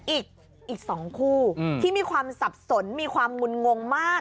อีก๒คู่ที่มีความสับสนมีความงุนงงมาก